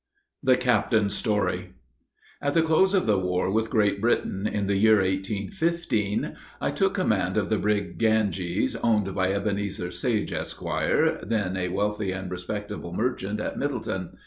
THE CAPTAIN'S STORY. At the close of the war with Great Britain, in the year 1815, I took command of the brig Ganges, owned by Ebenezer Sage, Esq., then a wealthy and respectable merchant at Middleton.